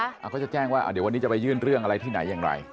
เขาก็จะแจ้งว่าเดี๋ยววันนี้จะไปยื่นเรื่องอะไรที่ไหนอย่างไร